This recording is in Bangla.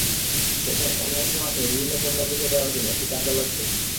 সেখানে অনলাইনের মাধ্যমে বিভিন্ন পণ্য বিক্রয় করার জন্য একটি কার্যালয় খোলেন।